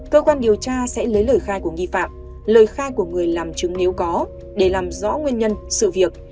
cơ quan điều tra sẽ lấy lời khai của nghi phạm lời khai của người làm chứng nếu có để làm rõ nguyên nhân sự việc